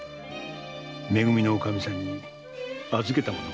め組のおかみさんに預けたものがある。